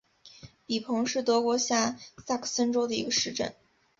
比彭是德国下萨克森州的一个市镇。